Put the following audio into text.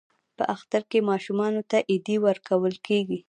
په اختر کې ماشومانو ته ایډي ورکول کیږي.